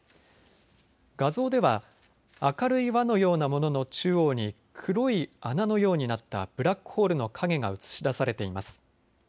画像では明るい輪のようなものの中央に黒い穴のようになったブラックホールの影が写し出されています。